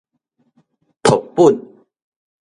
讀本